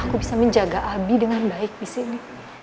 aku bisa menjaga abi dengan baik disini